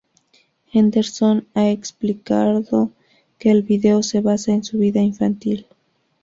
Henderson a explicado que el video se basa en su vida infantil.